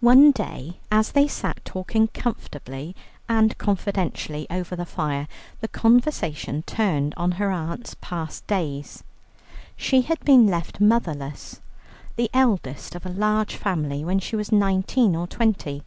One day as they sat talking comfortably and confidentially over the fire, the conversation turned on her aunt's past days. She had been left motherless, the eldest of a large family, when she was nineteen or twenty.